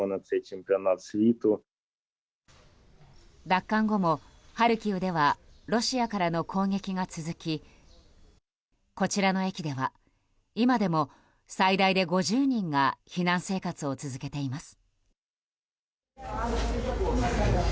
奪還後もハルキウではロシアからの攻撃が続きこちらの駅では今でも最大で５０人が避難生活を続けています。